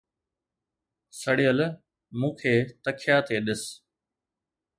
سڙيل، مون کي تکيا تي ڏس